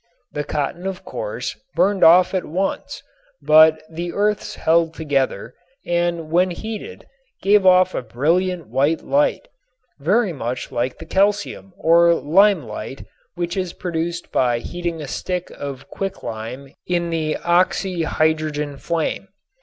The cotton of course burned off at once, but the earths held together and when heated gave off a brilliant white light, very much like the calcium or limelight which is produced by heating a stick of quicklime in the oxy hydrogen flame.